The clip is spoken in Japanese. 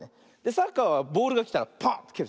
サッカーはボールがきたらポーンってける。